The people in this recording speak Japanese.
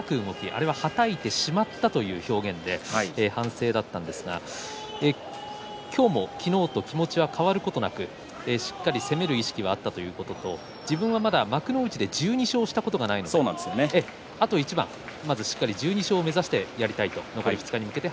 それは、はたいてしまったという表現で反省だったんですが今日も昨日と気持ちが変わることなくしっかり攻める意識があったということと、自分はまだ幕内で１２勝したことがないのであと一番しっかり１２勝を目指してやりたいと残り２日に向けて